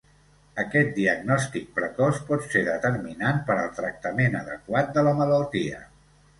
Aquest diagnòstic precoç pot ser determinant per al tractament adequat de la malaltia.